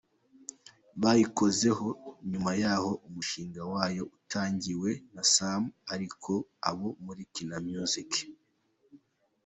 bayikozeho, nyuma yaho umushinga wayo utangiwe na Sam ariko abo muri Kina music.